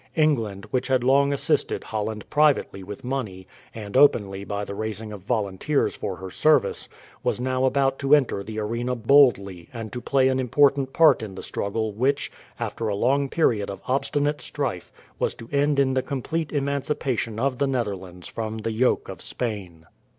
England, which had long assisted Holland privately with money, and openly by the raising of volunteers for her service, was now about to enter the arena boldly and to play an important part in the struggle, which, after a long period of obstinate strife, was to end in the complete emancipation of the Netherlands from the yoke of Spain.